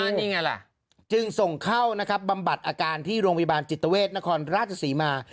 นี่ไงล่ะจึงส่งเข้านะครับบำบัดอาการที่โรงพยาบาลจิตเวทนครราชศรีมา